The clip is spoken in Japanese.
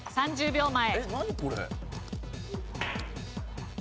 １０秒前。